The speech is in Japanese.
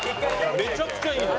めちゃくちゃいいのよ。